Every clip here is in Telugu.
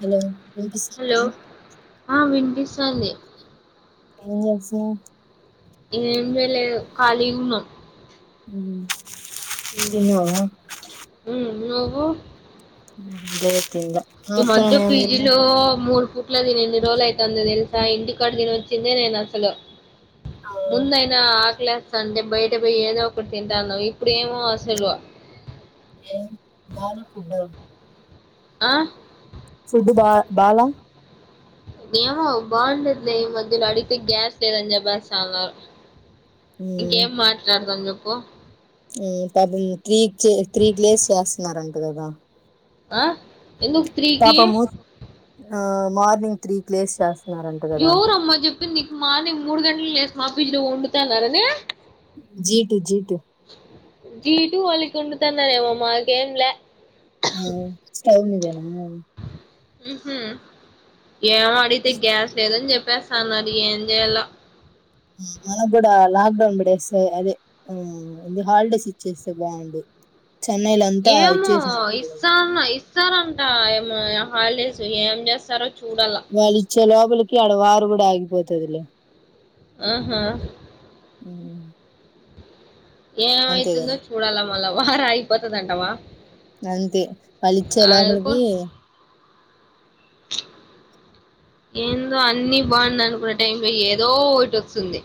హలో వినిపిస్తుందా పకిస్తన్ని ఏం రాశావు ఏను వెల కాాలగున్నాం ఉ తీన్న నగు జతింద ఈ మంజ పిజీలో మూరు ఇఊట్లో దీని ఎన్ని రోజులు అవుతుంది తెలుసా ఇంటికాడ దీని వచ్చిందే నేను అసలు ఆ, ముందైనా స్త అంటే బయట పోయి ఏదో ఒకటి తింటాను ఇప్పుడేమో అసలు ఏ బల్ ఫుడ్ ఆ ఫుడ్ బా బాల మ బండలే మందు్యలో అడితే గ్యాస్ తేదనీ చెప్పేస్తున్నారు ఉమ్, ఇంకేం మాట్లాడుతాం పో ప త్రీ త్రీకి డేస్ చేస్తున్నారంట కదా ఆ ఎందుకు త్రీకి పాపము ఆ మార్నింగ్ త్రీ లేసి చేస్త యోరు అమ్మా చెప్పి నికు మ న మూడు గంటలు నే మాఫీస్లు వండుతున్నన్నారుద జీటు జీటు జీ వాళిక కొంట తాందనేమమ్మా గేమ్ల ఆ స్టవ్ నిదేనా ముహ్ ఏం అడిగితే గ్యాస్ లేదని చెప్ప పసానురి ఏం జయలో ఆ మనకు కూడా లాక్డౌన్ పడేస్తే అదే ఆ హాలిడేస్ ఇచ్చేస్తే బాగుండు చెన్నైలో అంతా ఏమో ఇచ్చేసినారంట కదా ఇస్తాన్న ఇ సార్ అంత ఎమ్ హాలిడేస్ ఏం చేస్తారు వాల్ ఈచే లోపాలా యాడ వార్ కూడా ఆగిపోతుదిలే హాహా [inaudible] ఏం అంతే అయితుందో కదా చూడాల మల్ల వార అగిపోతాడి అంతవా అంతే వాళ్ళు ఇచ్చే లోపలికి ఏందో అన్ని బాగుంది అనుకున్న టిమ్లో ఏదో ఒకటి వస్తుంది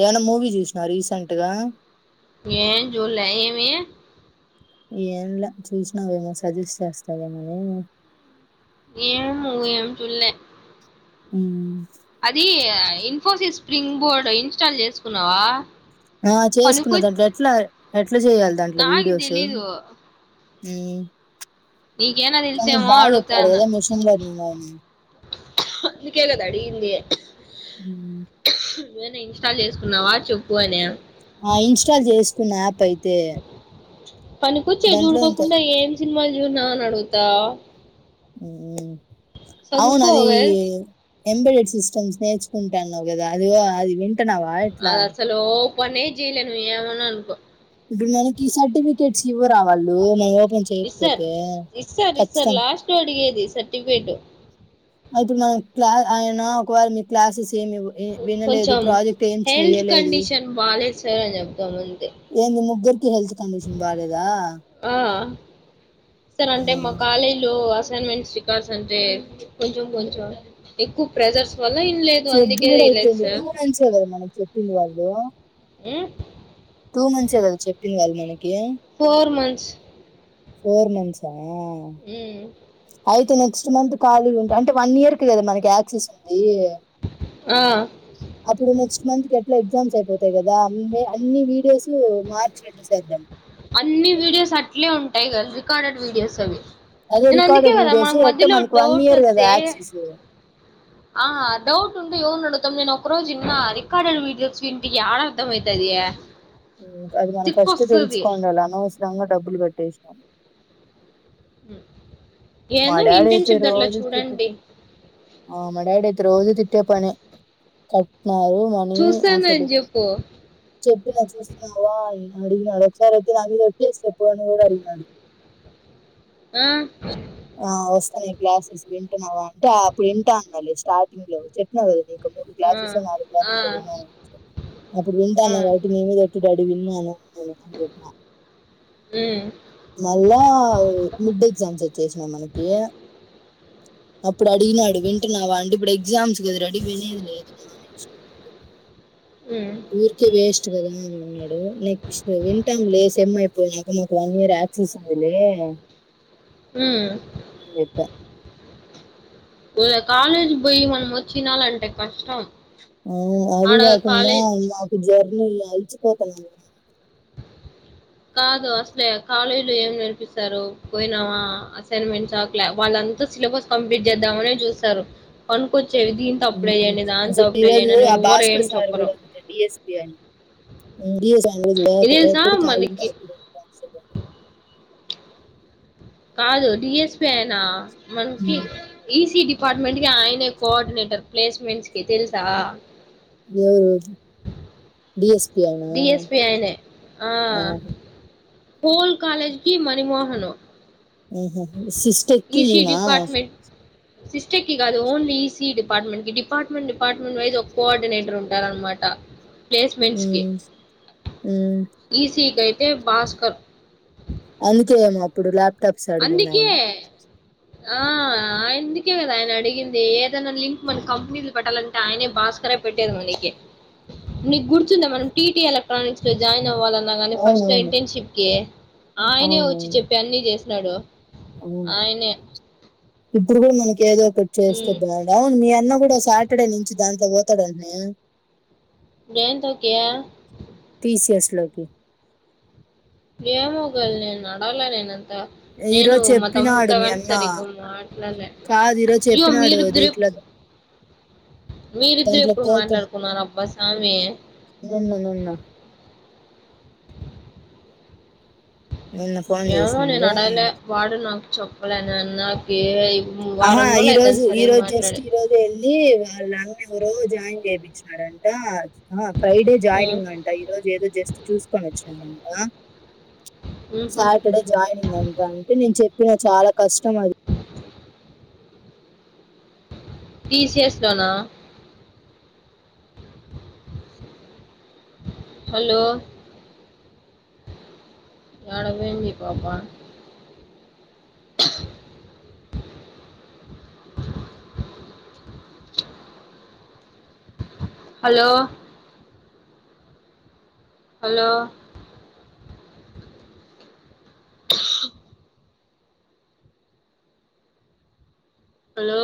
ఏమన్న మూవీ చూసినా రీసెంట్గా ఏ జలే ఎమి ఏంలా చూసినావేమో సజెస్ట్ చేస్తావ నువ్వు ఏం ఏం చుల్ హ అది ఇన్ఫోసిస్ స్ప్రింగ్ బోర్డు ఇన్స్టాల్ చేసుకున్నావా ఆ పనికొ చేసుకున్నదంటే ఎట్లా అ ఇట్లా చేయ్యాలి దాంట్లో నాకు వీడియోస్ తెలీదు నీకేనా కానీ తెలిసేమో బాగా చెప్పాడు కదా మిషన్ లర్నింగ్ అవుని ఇకేళ దా అడి ఇందయే హ్మ్ నవనే ఇన్స్టాల్ చేసుకున్నావా చెప్పు అనే ఆ ఇన్స్టాల్ చేసుకున్న యాప్ అయితే పనికొచ్చే దాంట్లో చూడుకోకుండా ఏం సినిమా జ నా నడుగుతా అవును అది చదువుకోవే ఎబడడ్ సిస్టమ్స్ నేర్చుకుంటాన్నావు కదా అది అది వి కట్టనావా ఇట్లా కొన్ని ఏం చేయడం నువు ఏమనా అనుకో ఇంట మ సర్టిఫికెట్స్ ఇవరా చే ఇస్తారు ఇస్తారు ఇస్తారు లాస్ట్ అడిగేది సర్టిఫికేట్ అ అయనా ఒక ఒకవేళ మీ క్లాసెస్ ఏమి వినలేదు కొంచెం ప్రాజెక్ట్ ఏం చెయలేదు సరే అని చెబుదాం ఏందీ ముగ్గురు ఆ సార్ అంటే మా కాలేజ్ లు అసైన్ మెంట్స్ రికార్డ్స్ అంటే కొంచెం కొంచెం ఎక్కువ ప్రెజర్స్ వల్ల ఇనలేదు సగ్ అందుకే కూడా ఇయలేదు అయిపోయింది సార్ టూ మంత్స ఏం కదా మనం చెప్పింది వాళ్ళకి హలో ఉం టూ మంత్స్ ఏ కద చెప్పింది వాళ్ళ మనకి ఫోర్ మంత్స్ ఫోర్ మంత్స్ ఆ ఉం అయితే నెక్స్ట్ మంత్ ఖాళీ ఉంటాయి అంటే వన్ ఇయర్ కి కదా మనకి ఆక్సిస్ ఉంది ఆ! అప్పుడు నెక్స్ట్ మంత్ ఇట్ ఎగ్జామ్స్ అయిపోతాయి కదా అన్ని వీడియోస్ టు మార్చ్ వెటర్స్ అయితే అన్ని వీడియోస్ అట్లే ఉంటాయి కదా రికార్డెడ్ వీడియోస్ అవి అదే నేను అందుకే రికార్డెడ్ కదా వీడియోస్ మాకు ఎట్ట మధ్యలో మనకి వన్ డౌట్ ఇయర్ కదా వస్తే ఆక్సిస్ ఆ డౌట్ ఉంటే ఎవ అడుగుతాం నేను ఒక రోజు ఇన్న రికార్డెడ్ వీడియోస్ ఇంటి ఆడ అర్ధంమవుతదియ అది మన ఫస్ట్ తెల్సుకోండాల నిధంగా డబ్బులు కట్టేసా [inaudible] ఏదో అయితే ఇంటర్న్షిప్ దాంట్లో రోజు తిట్టే చూడండి ఆ మా డాడీ అయితే రోజు తిట్టే పనే నా రూమ్ అని అసలు చూస్తానని చెప్పు చెప్పినా చూస్తున్నావా అ అడిగినాడు ఒకసారి అయితే నా మీదొట్చెప్పు అని కూడా అడిగినాడు ఆ ఆ వస్తున్నాయి క్లాసెస్ వింటున్నావా అంటే అప్పుడు వింటా అన్ని స్టార్టింగ్ లో చెప్పిన ఇంక మూడు ఆ, క్లాసెస్ నాలుగు ఆ, క్లాసెస్ విన్నా అప్పుడు ఆ, వింటాను ఉమ్, కాబట్టి నీ మీద ఒట్టు డాడీ విన్నాను కీ [unintelligible] ఉం మళ్ళా మిడ్ ఎగ్జామ్స్ వచ్చేసినా మనకి అప్పుడు అడిగినాడు వింటున్నావా అంటే ఇప్పుడు ఎగ్జామ్స్ కద డాడి వినేది లేదు ఉమ్, ఊరికే వేస్ట్ కదా అని అన్నాడు నెక్స్ట్ వింటాం లే సెమ్ అయిపోయినాక నామకు వన్ ఇయర్ ఆక్సిీస్ ఉందిలే ఉం ఏతే కాలేజ్ పోయి మన వచ్చినాలు అంట కష్టం ఆ అది ఆడ కాకుంద కాలేజ్ నాకు జర్నీ అచిపోతనము కాదు అసలే కాలేజీ లో ఏం నేర్పిస్తారు పోయినావా అసైన్మెంట్స్ అలా వాళ్ళంతా సిలబస్ కంప్లీట్ చేద్దామనే చూస్తారును స ఇరోజ అని ఆ ఎవరు ఏం భాస్కర్ సార్ చెప్పరు కూడా ఉంతే డిఎస్పి అని ఇ సాండ్విజ్ ఇది తెలుసా ఎటి కాల మనకి కాదు డిఎస్పి అనా మనకి ఉమ్, ఈసిడి డిపార్ట్మెంట్ కి ఆయనే కోఆర్డినేటర్ ప్లేస్మెంట్స్ కి తెలుసా ఎవరు బిఎస్ డిఎస్పి అయిన ఆ ఆహా హోల్ కాలేజ్కి మణిమోహన ఆహ సిస్టకినా సిస్టర్ కి కాదు ఓన్లీ ఈసీ డిపార్ట్మెంట్ కి డిపార్ట్మెంట్ డిపార్ట్మెంట్ వైజ్ ఒక కోఆర్డినేటర్ ఉంటారు అనమాట ప్లేస్మెంట్స్కి ఉమ్ ఉమ్ ఈసీ గై తే భాస్కర్ అందుకేమో అప్పుడు ప్ టబ్స్ అడిగింది అందుకే ఆయన ఆ ఆయందుకే కదా ఆయన అడిగింది ఏదైనా లింక్ మన కంపెనీలు పెట్టాలంటే ఆయనే భాస్కర పెట్టేది మనకి నీకు గుర్తుందా మనం టీల ఎనిక్ లో జయిన్వ్వాలని అన్నాగాని ఫస్ట్ లో అవునవును ఇంటర్న్షిప్ కి ఆయనే వచ్చి చెప్పి అన్ని చేస్త లాడువ అవు ఇప్పుడు కూడా మనకి ఏదో చేస్తే హ్మ్. బాగు అవును మీ అన్న కూడా సాటర్డే నుంచి దాంట్ పోతాడుంటడి బేన్తో క ఇలాకి ఏమోగ నేను నాల నేనుంత నేను ఈరోజు మా చెప్పినాడు తమ్ముడితో మీ వెళ అన్న సరి మాట్లాడలే కాదు ఈరోజు అయ్యో చెప్పినాడు ఇట్లా మీరిద్దరుప్పు మీరిద్దరు దాంట్లో ఎప్పుడు పోత మాట్లాడుకున్నారు అబ్బా స్వామి నిన్న నిన్న నిన్న ఫోన్ ఏమో న చేసింది నలే వాడు నా చెప్పులు అని అన్నా ఆహా ఈ రోజు ఈ రోజు జస్ట్ మాట్లాడి. ఈ రోజు వెళ్ళి వాళ్ళ అన్న ఎవరో జాయిన్ చేయిపించారు, వాడంటా ఆ ఫ్రైడే హ్మ్. జాయినింగ్ అంట ఈ రోజు ఏదో జస్ట్ చూసుకొని వచ్చినారూంట ఆ హుహు. సాటర్డే జాయినింగ్ అంటా అంటే నేను చెప్ప చెప్పిన చాలా కష్టం అది, టీ సి ఎస్ లోన హలో ఏడ పోయింది ఈ పాప హలో హలో హలో